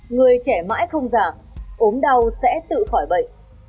người trẻ mãi không già ốm đau sẽ tự khỏi bệnh